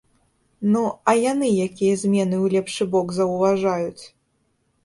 Ну, а яны якія змены ў лепшы бок заўважаюць?